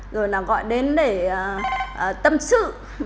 rồi là gọi đến để tâm sự